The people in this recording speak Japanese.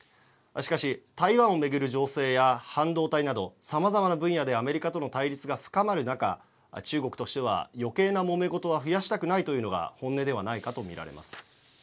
しかし、台湾を巡る情勢や半導体などさまざまな分野でアメリカとの対立が深まる中中国としては余計なもめ事は増やしたくないというのが本音ではないかと見られます。